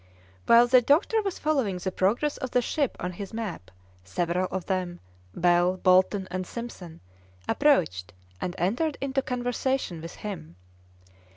While the doctor was following the progress of the ship on his map, several of them, Bell, Bolton, and Simpson, approached and entered into conversation with him.